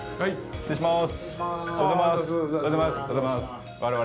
失礼します。